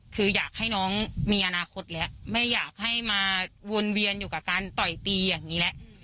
คืออยากให้น้องมีอนาคตแล้วแม่อยากให้มาวนเวียนอยู่กับการต่อยตีอย่างนี้แล้ว